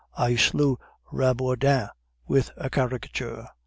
I slew Rabourdin with a caricature."